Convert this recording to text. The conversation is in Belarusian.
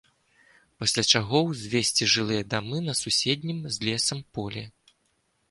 Пасля чаго ўзвесці жылыя дамы на суседнім з лесам полі.